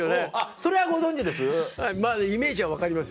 それはご存じです？